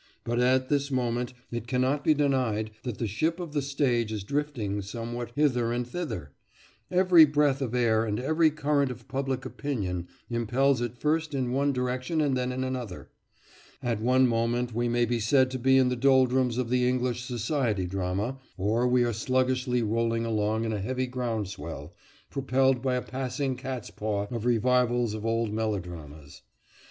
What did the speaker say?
But at this moment it cannot be denied that the ship of the stage is drifting somewhat hither and thither, Every breath of air and every current of public opinion impels it first in one direction and then in another, At one moment we may be said to be in the doldrums of the English society drama, or we are sluggishly rolling along in a heavy ground swell, propelled by a passing cat's paw of revivals of old melodramas.